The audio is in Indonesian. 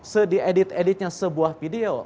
sediedit editnya sebuah video